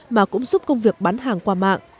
mà cũng giúp công việc bán hàng qua mạng